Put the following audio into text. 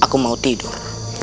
aku mau tidur